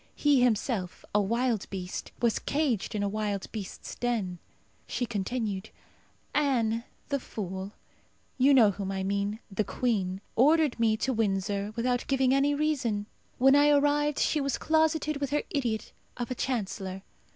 He himself, a wild beast, was caged in a wild beast's den. She continued, "Anne, the fool you know whom I mean the queen ordered me to Windsor without giving any reason. When I arrived she was closeted with her idiot of a Chancellor.